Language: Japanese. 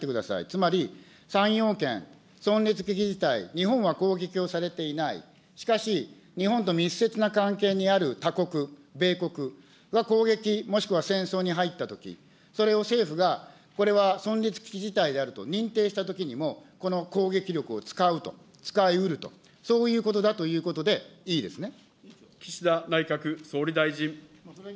つまり、三要件、存立危機事態、日本は攻撃をされていない、しかし、日本と密接な関係にある他国、米国が攻撃、もしくは戦争に入ったとき、それを政府がこれは存立危機事態であると、認定したときにも、この攻撃力を使うと、使いうると、そういうことだということで、い岸田内閣総理大臣。